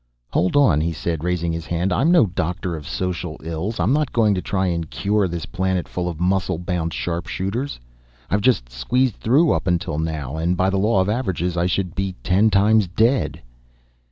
"Hold on," he said, raising his hand. "I'm no doctor of social ills. I'm not going to try and cure this planet full of muscle bound sharpshooters. I've just squeezed through up to now, and by the law of averages I should be ten times dead."